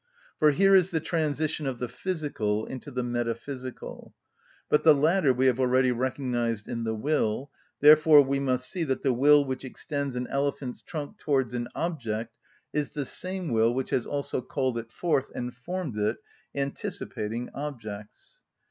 For here is the transition of the physical into the metaphysical. But the latter we have already recognised in the will; therefore we must see that the will which extends an elephant's trunk towards an object is the same will which has also called it forth and formed it, anticipating objects.